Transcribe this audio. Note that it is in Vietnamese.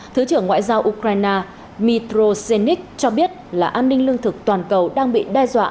thứ trưởng ngoại giao ukraine mitro senik cho biết là an ninh lương thực toàn cầu đang bị đe dọa